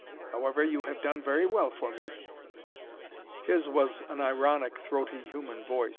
However, you have done very well for me." His was an ironic, throaty human voice!